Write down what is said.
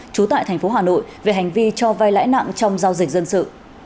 trú tại tp hà nội về hành vi cho vai lãi nặng trong giao dịch dân sự